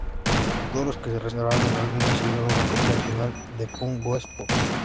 Todos los que reservaron el álbum recibieron una copia original de "Punk Goes Pop".